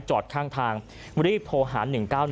จอดข้างทางรีบโทรหา๑๙๑